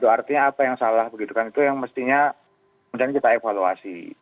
artinya apa yang salah begitu kan itu yang mestinya kemudian kita evaluasi